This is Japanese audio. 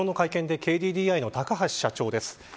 昨日の会見ＫＤＤＩの高橋社長です。